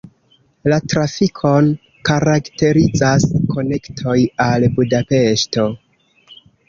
La trafikon karakterizas konektoj al Budapeŝto.